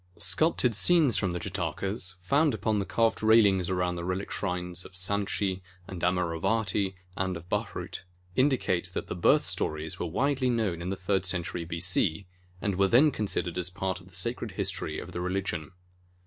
Sculptured scenes from the Jatakas, found upon the carved railings around the relic shrines of Sanchi and Amaravati and of Bharhut, indicate that the "Birth stories" were widely known in the third century B.C., and were then considered as part of the sacred history of the religion.